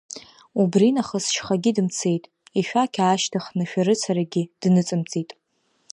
Убри нахыс шьхагьы дымцеит, ишәақь аашьҭхны шәарыцарагьы дныҵымҵит.